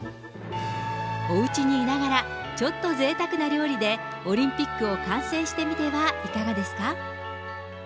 おうちにいながら、ちょっとぜいたくな料理で、オリンピックを観戦してみてはいかがですか。